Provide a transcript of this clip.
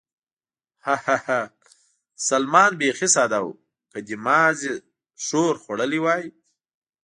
ها، ها، ها، سلمان بېخي ساده و، که دې محض ښور خوړلی وای.